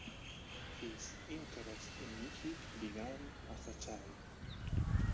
His interest in music began as a child.